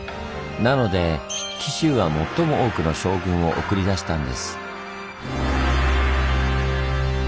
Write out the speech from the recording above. なので紀州が最も多くの将軍を送り出したんです。